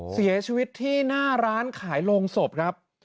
เสียชีวิตที่หน้าร้านขายโรงศพครับ